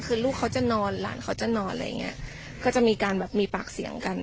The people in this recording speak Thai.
คือลูกเขาจะนอนหลานเขาจะนอนอะไรอย่างเงี้ยก็จะมีการแบบมีปากเสียงกัน